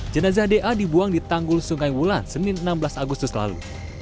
jenazah da dibuang di tanggul sungai wulan senin enam belas agustus lalu